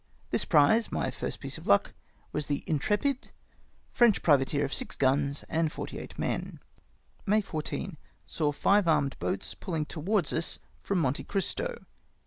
This prize — my first piece of luck — was the Intrepide, French privateer of six guns and forty eight rnen. " May 14. — Saw five armed boats pulling towards us from Monte Cristo.